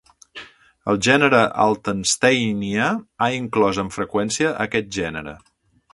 "El gènere "Altensteinia" ha inclòs amb freqüència aquest gènere".